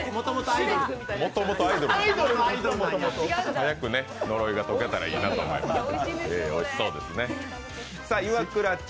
早く呪いが解けたらいいなと思いますね。